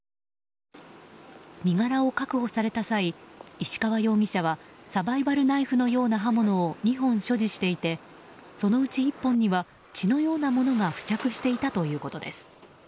身柄を確保された際石川容疑者はサバイバルナイフのような刃物を２本所持していてそのうち１本には血のようなものが付着していたということです。